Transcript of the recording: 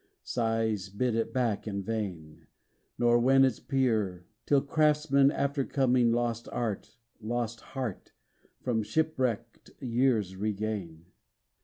Sighs bid it back in vain, Nor win its peer, till craftsmen aftercoming Lost art, lost heart, from shipwrecked years regain.